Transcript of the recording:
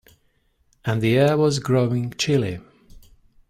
And the air was growing chilly.